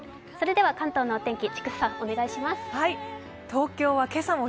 関東のお天気、千種さん、お願いします。